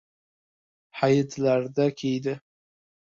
Hayitlarda kiydi.